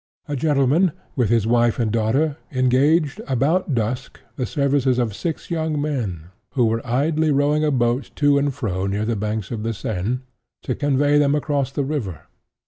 A gentleman, with his wife and daughter, engaged, about dusk, the services of six young men, who were idly rowing a boat to and fro near the banks of the Seine, to convey him across the river.